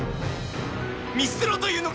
見捨てろというのか！